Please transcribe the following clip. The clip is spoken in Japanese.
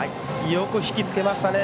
よく引き付けましたね。